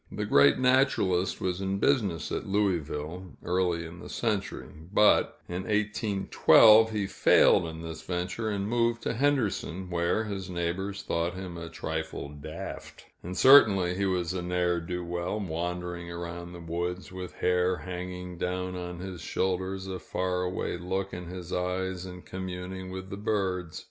The great naturalist was in business at Louisville, early in the century; but in 1812, he failed in this venture, and moved to Henderson, where his neighbors thought him a trifle daft, and certainly he was a ne'er do well, wandering around the woods, with hair hanging down on his shoulders, a far away look in his eyes, and communing with the birds.